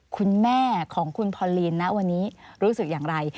คุณแม่ของคุณพอลีนนะวันนี้รู้สึกอย่างไร